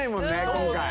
今回。